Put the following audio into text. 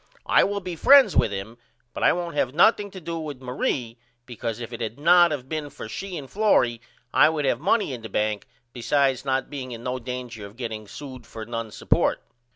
I will be friends with him but I won't have nothing to do with Marie because if it had not of been for she and Florrie I would have money in the bank besides not being in no danger of getting sewed for none support.